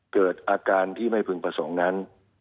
เกิดอาการที่ไม่พึงประสงค์นั้น